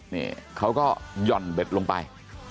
นี่เขาก็หย่อนเบ็ดลงไป